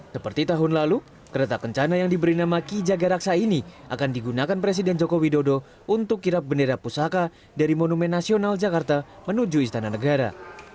seperti tahun lalu kereta kencana yang diberi nama ki jaga raksa ini akan digunakan presiden joko widodo untuk kirap bendera pusaka dari monumen nasional jakarta menuju istana negara